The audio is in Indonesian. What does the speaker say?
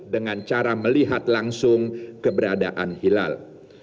dengan cara melihat langsung keberadaan hilal